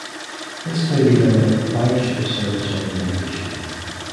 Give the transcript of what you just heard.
This may be done at the Flag Ship Service Organization.